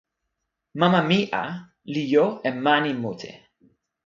mama mi a li jo e mani mute.